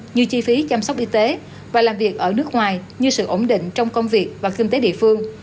như chi phí chăm sóc y tế và làm việc ở nước ngoài như sự ổn định trong công việc và kinh tế địa phương